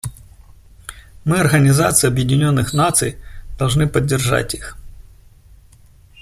Мы, Организация Объединенных Наций, должны поддержать их.